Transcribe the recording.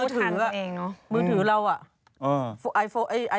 หมือถือเรา